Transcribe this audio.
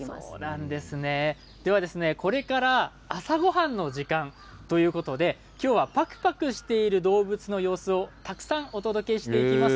これから朝ごはんの時間ということで今日はパクパクしている動物の様子をたくさんお届けしていきます。